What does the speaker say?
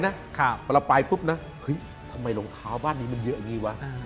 เวลาไปที่รองท้าวบ้านนี้มันเยอะอย่างนี้